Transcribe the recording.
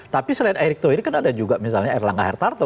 tapi selain erick thohir kan ada juga misalnya erlangga hartarto